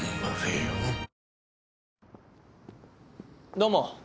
どうも。